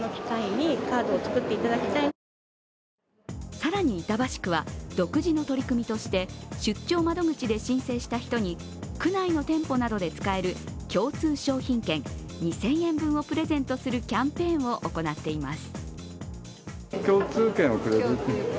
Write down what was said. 更に、板橋区は独自の取り組みとして出張窓口で申請した人に、区内の店舗などで使える共通商品券２０００円分をプレゼントするキャンペーンを行っています。